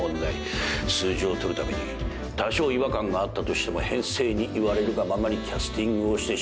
数字を取るために多少違和感があったとしても編成に言われるがままにキャスティングをしてしまう。